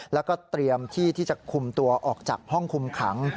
แล้วก็เตรียมที่ที่จะคุมตัวออกจากห้องคุมขัง